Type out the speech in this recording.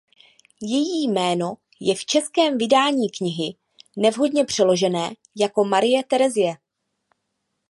Její jméno je v českém vydání knihy nevhodně přeložené jako "Marie Terezie".